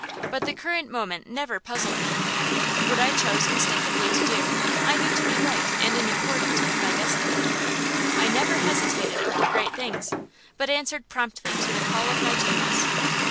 But the current moment never puzzled me. What I chose instinctively to do I knew to be right and in accordance with my destiny. I never hesitated over great things, but answered promptly to the call of my genius.